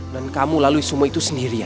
dan kamu lalui semua itu sendirian